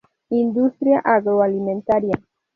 Industria agroalimentaria.